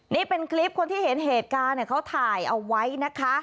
นี่เป็นคลิปคนที่เห็นเหตุการณ์เขาถ่ายเอาไว้นะคะ